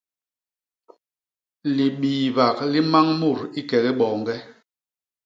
Libiibak li mañ mut i kegi boñge.